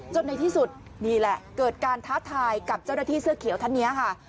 ในที่สุดนี่แหละเกิดการท้าทายกับเจ้าหน้าที่เสื้อเขียวท่านนี้ค่ะ